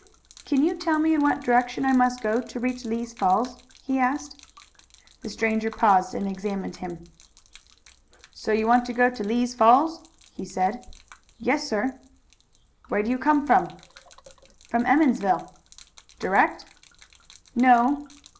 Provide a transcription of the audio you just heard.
"Can you tell me in what direction I must go to reach Lee's Falls?" he asked. The stranger paused and examined him. "So you want to go to Lee's Falls?" he said. "Yes, sir." "Where do you come from?" "From Emmonsville." "Direct?" "No."